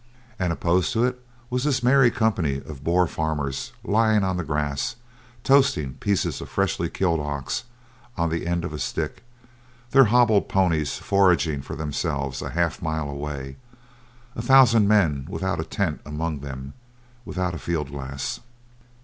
And opposed to it was this merry company of Boer farmers lying on the grass, toasting pieces of freshly killed ox on the end of a stick, their hobbled ponies foraging for themselves a half mile away, a thousand men without a tent among them, without a field glass.